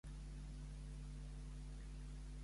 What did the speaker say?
Qui li van ensenyar música?